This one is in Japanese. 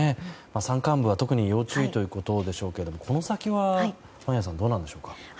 山間部は特に要注意ということでしょうけどもこの先は、眞家さんどうなんでしょうか。